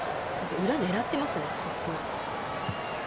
裏狙ってますね、すごい。